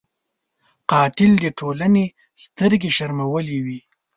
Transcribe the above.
قاتل د ټولنې سترګې شرمولی وي